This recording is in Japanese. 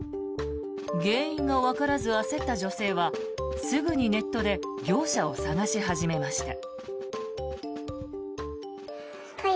原因がわからず焦った女性はすぐにネットで業者を探し始めました。